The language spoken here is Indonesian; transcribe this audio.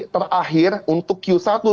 terakhir untuk q satu